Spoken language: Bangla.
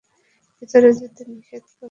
ভিতরে যেতে নিষেধ করেছে।